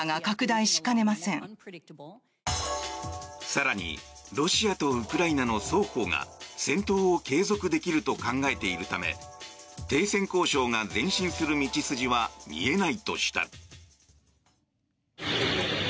更にロシアとウクライナの双方が戦闘を継続できると考えているため停戦交渉が前進する道筋は見えないとした。